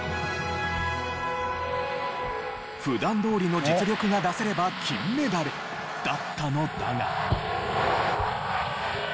普段どおりの実力が出せれば金メダル！だったのだが。